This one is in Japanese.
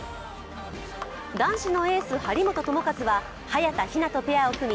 男子のエース・張本智和は早田ひなとペアを組み